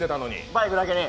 バイクだけに。